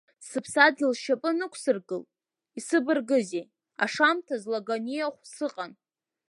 Сыԥсадгьыл сшьапы анықәсыргыл, исыбаргызеи, ашамҭаз Лаганиахә сыҟан.